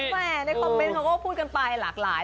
แม่ในคอมเมนต์เขาก็พูดกันไปหลากหลาย